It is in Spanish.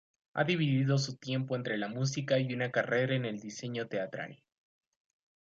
Ha dividido su tiempo entre la música y una carrera en el diseño teatral.